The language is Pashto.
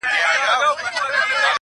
په سره سالو کي ګرځېدې مین دي کړمه!.